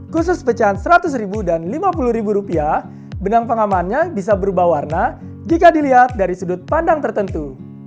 khusus pecahan seratus ribu dan lima puluh ribu rupiah benang pengamannya bisa berubah warna jika dilihat dari sudut pandang tertentu